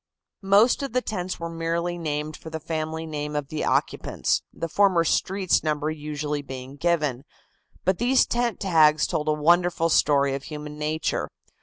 Most of the tents were merely named for the family name of the occupants, the former streets number usually being given. But these tent tags told a wonderful story of human nature.